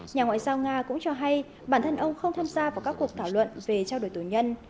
nhà ngoại giao nga cũng cho hay bản thân ông không tham gia vào các cuộc thảo luận về trao đổi tù nhân